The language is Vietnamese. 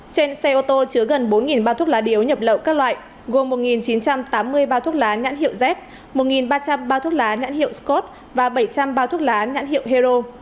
trên xe ô tô chứa gần bốn bao thuốc lá điếu nhập lậu các loại gồm một chín trăm tám mươi bao thuốc lá nhãn hiệu z một ba trăm linh bao thuốc lá nhãn hiệu scott và bảy trăm linh bao thuốc lá nhãn hiệu hero